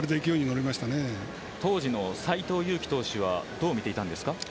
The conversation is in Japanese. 当時の斎藤佑樹投手はどう見ていましたか。